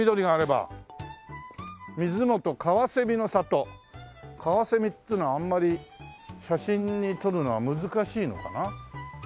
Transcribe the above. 「水元かわせみの里」カワセミっつうのはあんまり写真に撮るのは難しいのかな。